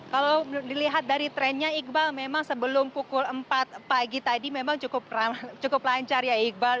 kalau dilihat dari trennya iqbal memang sebelum pukul empat pagi tadi memang cukup lancar ya iqbal